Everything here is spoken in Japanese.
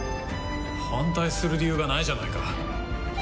反対する理由がないじゃないか！